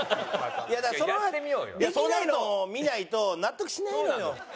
いやだからそのできないのを見ないと納得しないのよ。